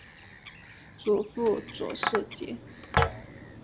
祖父左世杰。